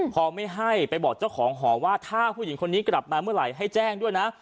พอไม่ให้ไปบอกเจ้าของหอว่าถ้าผู้หญิงคนนี้กลับมาเมื่อไหร่ให้แจ้งด้วยนะ